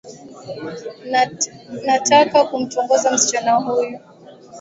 Nataka kumtongoza msichana huyo